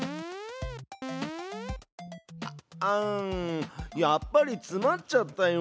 あやっぱりつまっちゃったよ。